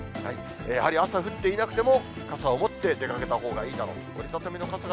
やはり朝降っていなくても、傘を持って出かけたほうがいいだろうと。